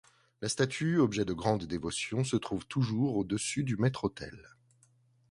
La statue, objet de grande dévotion, se trouve toujours au-dessus du maitre-autel.